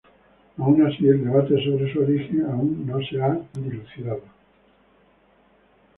Aun así el debate sobre su origen aún no se ha dilucidado.